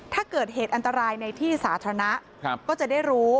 ถ้าเกิดเหตุอันตรายในที่สาธารณะก็จะได้รู้